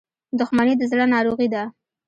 • دښمني د زړه ناروغي ده.